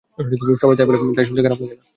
সবাই তাই বলে, তবে শুনতে খারাপ লাগেনা।